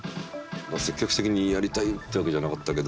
積極的にやりたいっていうわけじゃなかったけど。